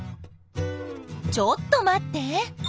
ちょっと待って。